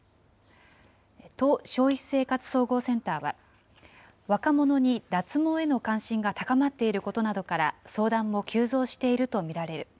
都消費生活総合センターは、若者に脱毛への関心が高まっていることなどから相談も急増していると見られる。